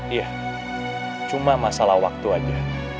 iya cuma masalah waktu saja